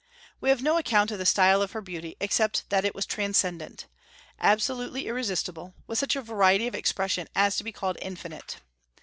We have no account of the style of her beauty, except that it was transcendent, absolutely irresistible, with such a variety of expression as to be called infinite.